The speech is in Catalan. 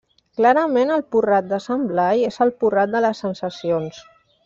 Clarament el Porrat de Sant Blai és el Porrat de les sensacions.